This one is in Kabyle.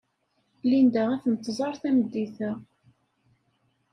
Linda ad tent-tẓer tameddit-a.